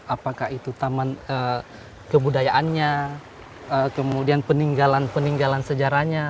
apakah itu taman kebudayaannya kemudian peninggalan peninggalan sejarahnya